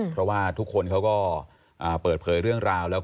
เพราะว่าทุกคนเขาก็เปิดเผยเรื่องราวแล้ว